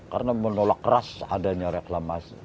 karena menolak keras adanya reklamasi